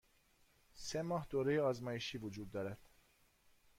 سه ماه دوره آزمایشی وجود دارد.